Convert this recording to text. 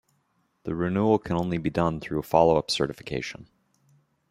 The renewal can only be done through a follow-up certification.